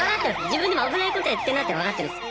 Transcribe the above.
自分でも危ないことやってんなって分かってるんです。